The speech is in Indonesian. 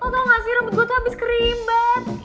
tau gak sih rambut gue tuh abis keribet